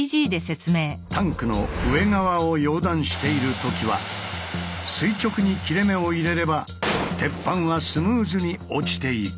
タンクの上側を溶断している時は垂直に切れ目を入れれば鉄板はスムーズに落ちていく。